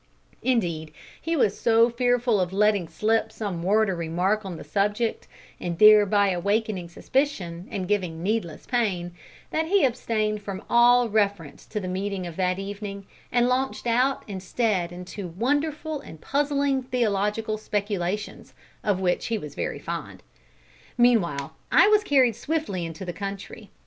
Indeed, he was so fearful of letting slip some word or remark on the subject and thereby awakening suspicion and giving needless pain, that he abstained from all reference to the meeting of that evening, and launched out instead into wonderful and puzzling theological speculations, of which he was very fond. Meanwhile I was carried swiftly into the country.